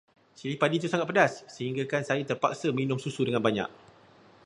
Cili padi itu sangat pedas, hinggakan saya terpaksa minum susu dengan banyak.